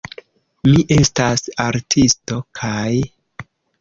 Mi estas artisto, kaj...